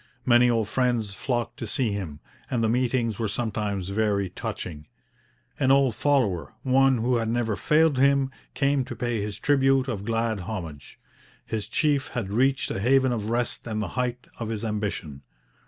Many old friends flocked to see him; and the meetings were sometimes very touching. An old follower, one who had never failed him, came to pay his tribute of glad homage. His chief had reached a haven of rest and the height of his ambition.